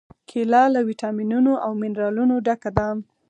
کېله له واټامینونو او منرالونو ډکه ده.